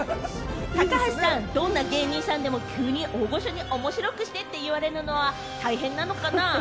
高橋さん、どんな芸人さんでも急に大御所に、面白くしてって言われるのは大変なのかな？